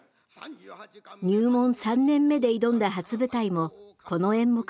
入門３年目で挑んだ初舞台もこの演目でした。